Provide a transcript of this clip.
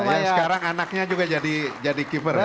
yang sekarang anaknya juga jadi keeper